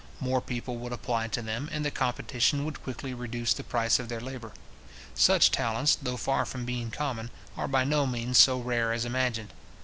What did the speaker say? More people would apply to them, and the competition would quickly reduce the price of their labour. Such talents, though far from being common, are by no means so rare as imagined.